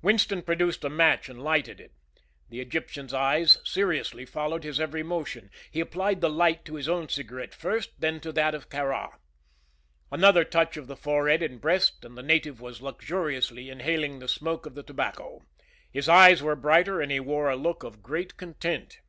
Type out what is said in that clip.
Winston produced a match and lighted it, the Egyptian's eyes seriously following his every motion. He applied the light to his own cigarette first; then to that of Kāra. Another touch of the forehead and breast and the native was luxuriously inhaling the smoke of the tobacco. His eyes were brighter and he wore a look of great content.